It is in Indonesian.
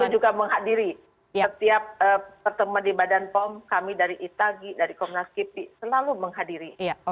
saya juga menghadiri setiap pertemuan di badan pom kami dari itagi dari komnas kipi selalu menghadiri